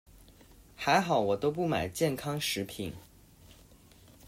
還好我都不買健康食品